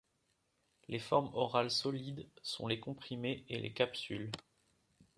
Les formes orales solides sont les comprimés et les capsules.